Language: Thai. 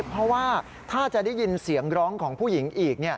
เพราะว่าถ้าจะได้ยินเสียงร้องของผู้หญิงอีก